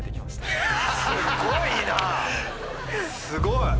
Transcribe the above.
すごい！